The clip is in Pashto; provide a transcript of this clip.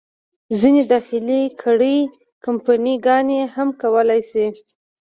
ځینې داخلي کړۍ، کمپني ګانې هم کولای شي.